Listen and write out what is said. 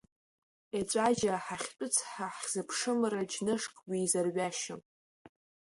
Еҵәаџьаа ҳахьтәы-цҳа, ҳхьыԥшымра, џьнышк уизырҩашьом!